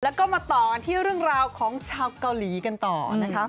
แล้วก็มาต่อกันที่เรื่องราวของชาวเกาหลีกันต่อนะคะ